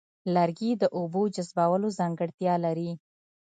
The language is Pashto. لرګي د اوبو جذبولو ځانګړتیا لري.